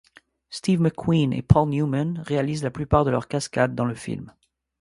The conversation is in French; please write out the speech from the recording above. Steve McQueen et Paul Newman réalisent la plupart de leurs cascades dans le film.